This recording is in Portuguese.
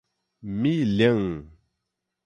Milhã